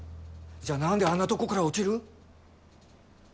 じゃあ何であんなとこから落ちる。